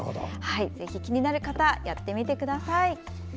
ぜひ、気になる方やってみてください。